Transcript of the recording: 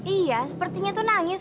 iya sepertinya tuh nangis